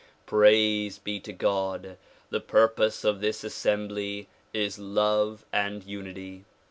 Praise be to God! the purpose of this assembly is love and unity.